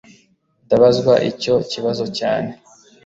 Ndabazwa icyo kibazo cyane